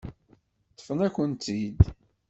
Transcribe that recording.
Ṭṭfen-akent-tt-id.